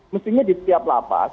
mestinya di setiap lapas